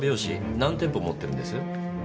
何店舗持ってるんです？